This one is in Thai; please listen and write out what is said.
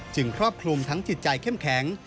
ครอบคลุมทั้งจิตใจเข้มแข็ง